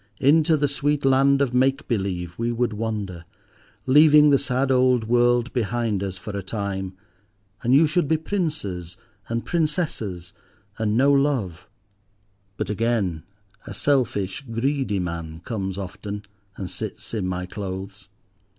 Into the sweet land of make believe we would wander, leaving the sad old world behind us for a time, and you should be Princes and Princesses, and know Love. But again, a selfish, greedy man comes often, and sits in my clothes.